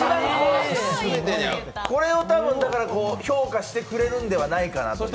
これをだから評価してくれるのではないかという。